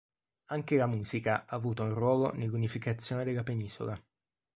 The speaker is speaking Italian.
Anche la musica ha avuto un ruolo nell'unificazione della penisola.